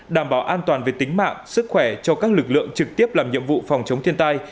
đảm bảo an toàn về tính mạng sức khỏe cho các lực lượng trực tiếp làm nhiệm vụ phòng chống thiên tai